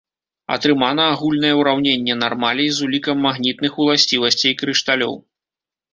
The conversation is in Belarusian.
Атрымана агульнае ўраўненне нармалей з улікам магнітных уласцівасцей крышталёў.